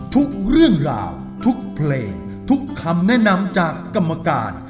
ทุกเรื่องราวทุกเพลงทุกคำแนะนำจากกรรมการ